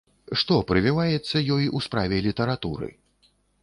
Што прывіваецца ёй у справе літаратуры?